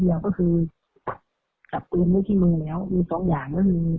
แล้วก็คืออย่ามืดที่มือแขึมบุรติตัว